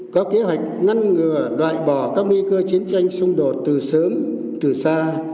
có kế hoạch ngăn ngừa loại bỏ các nguy cơ chiến tranh xung đột từ sớm từ xa